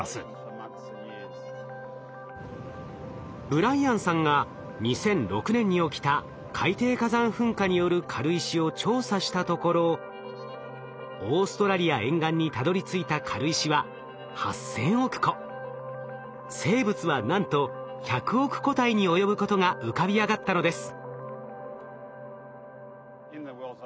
ブライアンさんが２００６年に起きた海底火山噴火による軽石を調査したところオーストラリア沿岸にたどりついた軽石は生物はなんと１００億個体に及ぶことが浮かび上がったのです。